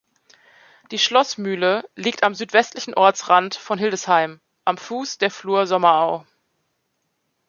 Die Schlossmühle liegt am südwestlichen Ortsrand von Heidesheim, am Fuß der Flur Sommerau.